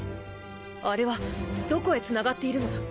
あれはどこへ繋がっているのだ？